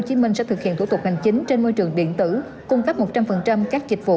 chí minh sẽ thực hiện thủ tục hành chính trên môi trường điện tử cung cấp một trăm linh phần trăm các dịch vụ